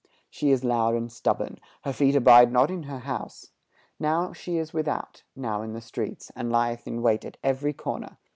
She is loud and stubborn; Her feet abide not in her house: Now she is without, now in the streets, And lieth in wait at every corner.